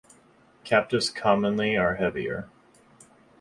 Captives commonly are heavier.